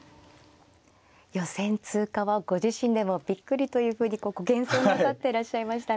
予選通過はご自身でもびっくりというふうにご謙遜なさっていらっしゃいましたね。